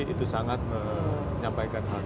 itu sangat menyampaikan harus